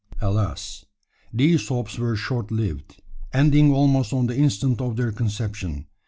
Alas! these hopes were short lived, ending almost on the instant of their conception.